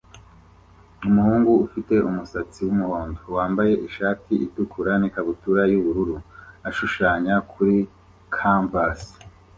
Umuhungu ufite umusatsi wumuhondo wambaye ishati itukura n ikabutura yubururu ashushanya kuri canvas